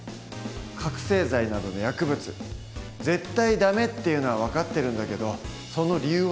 覚醒剤などの薬物「絶対ダメ」っていうのは分かってるんだけどその理由は？